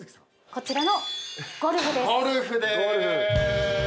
こちらのゴルフです。